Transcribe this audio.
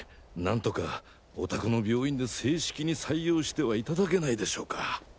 なんとかおたくの病院で正式に採用してはいただけないでしょうか？